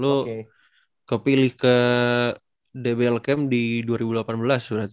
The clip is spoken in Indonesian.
dulu kepilih ke dbl camp di dua ribu delapan belas suratnya